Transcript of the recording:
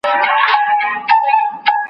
هر څوک د خپل عمل جزا ویني.